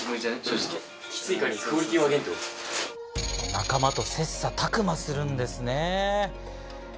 仲間と切磋琢磨するんですね。